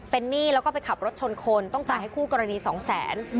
เป็นหนี้แล้วก็ไปขับรถชนคนต้องจ่ายให้คู่กรณีสองแสน